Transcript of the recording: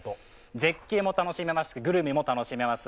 絶景も楽しめますし、グルメも楽しめます。